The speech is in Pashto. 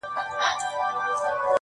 ښه عمل د لاري مل ضرب المثل دی،